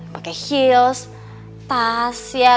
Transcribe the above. pake heels tas ya